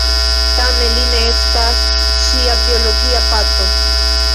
Tamen li ne estas ŝia biologia patro.